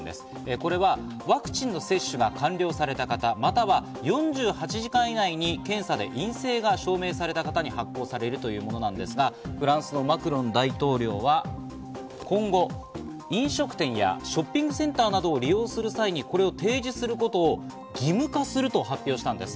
これはワクチンの接種が完了された方、または４８時間以内に検査で陰性が証明された方に発行されるものなんですがフランスのマクロン大統領は今後、飲食店やショッピングセンターなどを利用する際にこれを提示することを義務化すると発表したんです。